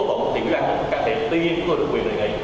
thì quản lý của các tiệm tuy nhiên tôi được quyền đề nghị